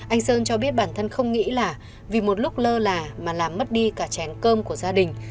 anh sơn cho biết bản thân không nghĩ là vì một lúc lơ là mà làm mất đi cả chén cơm của gia đình